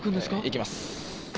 行きます！